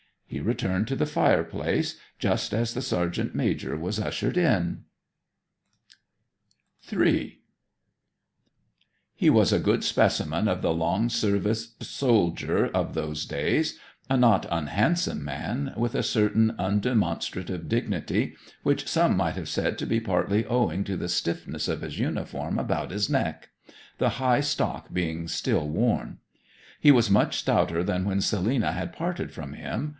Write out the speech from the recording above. He returned to the fireplace just as the sergeant major was ushered in. III He was a good specimen of the long service soldier of those days; a not unhandsome man, with a certain undemonstrative dignity, which some might have said to be partly owing to the stiffness of his uniform about his neck, the high stock being still worn. He was much stouter than when Selina had parted from him.